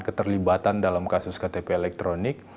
keterlibatan dalam kasus ktp elektronik